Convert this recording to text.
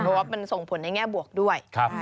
เพราะว่ามันส่งผลในแง่บวกด้วย